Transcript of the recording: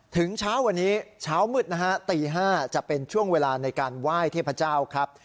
เช้าวันนี้เช้ามืดนะฮะตี๕จะเป็นช่วงเวลาในการไหว้เทพเจ้าครับ